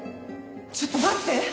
ちょっと待って！